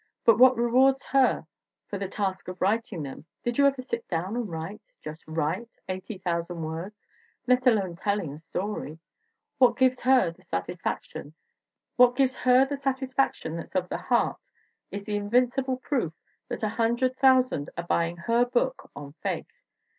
But what rewards her for the task of writing them did you ever sit down and write, just write, 80,000 words, let alone telling a story? what gives her the satisfaction that's of the heart is the invincible proof that a hundred thousand are buying her book on faith.